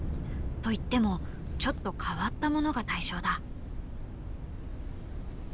と言ってもちょっと変わったものが対象だ。